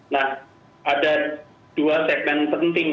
nah ada dua segmen penting